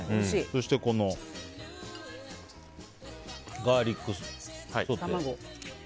そしてこのガーリックソテー。